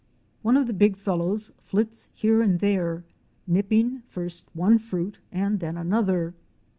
One of the big fellows flits here and there, nipping first one fruit and then another.